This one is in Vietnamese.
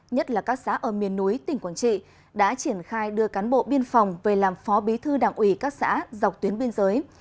nhất là các xã ở miền núi tỉnh quảng trị đã triển khai đưa cán bộ biên phòng về làm phó bí thư đảng ủy các xã dọc tuyến biên giới